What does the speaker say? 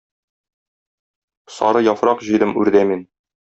Сары яфрак җыйдым үрдә мин.